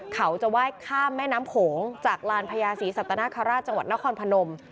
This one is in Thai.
เขาจะไหว้ข้ามแม่น้ำโขงจากลานพญาศรีสัตนคราชจังหวัดนครพนม